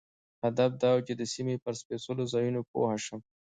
هدف دا و چې د سیمې پر سپېڅلو ځایونو پوه شم.